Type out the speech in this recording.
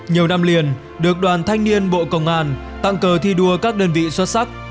nhiều năm liền được đoàn thanh niên bộ công an tặng cờ thi đua các đơn vị xuất sắc